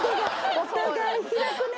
お互い開くね。